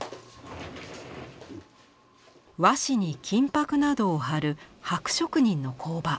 和紙に金箔などをはる箔職人の工場。